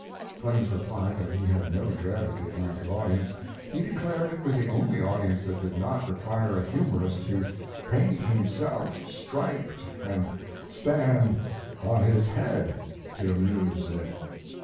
Clemens replied that he had no dread of the Atlantic audience; he declared it was the only audience that did not require a humorist to "paint himself striped and stand on his head to amuse it."